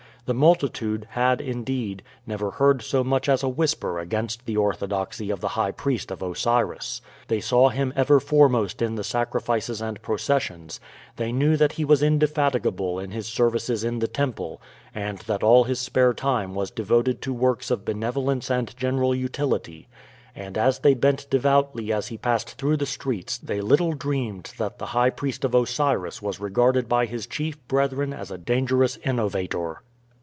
The multitude had, indeed, never heard so much as a whisper against the orthodoxy of the high priest of Osiris. They saw him ever foremost in the sacrifices and processions; they knew that he was indefatigable in his services in the temple, and that all his spare time was devoted to works of benevolence and general utility; and as they bent devoutly as he passed through the streets they little dreamed that the high priest of Osiris was regarded by his chief brethren as a dangerous innovator.